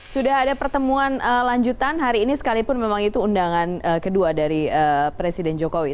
sudah ada pertemuan lanjutan hari ini sekalipun memang itu undangan kedua dari presiden jokowi